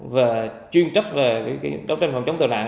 và chuyên trách về đấu tranh phòng chống tội nạn